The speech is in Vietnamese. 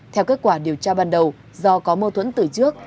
theo kết quả điều tra ban đầu do có mâu thuẫn từ trước